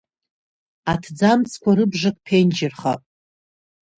Аҭӡамцқәа рыбжак ԥенџьырхап.